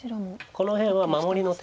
この辺は守りの手です。